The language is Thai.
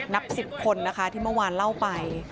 นับ๑๐คนนะคะที่เมื่อวานเล่าไป